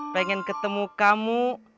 pengen ketemu kamu